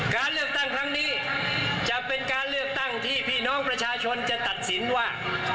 การเลือกตั้งครั้งนี้จะเป็นการเลือกตั้งที่พี่น้องประชาชนจะตัดสินว่า